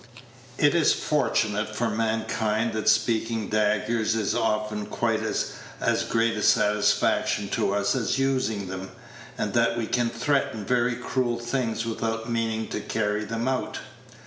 It is fortunate for mankind that speaking daggers is often quite as great a satisfaction to us as using them, and that we can threaten very cruel things without meaning to carry them out.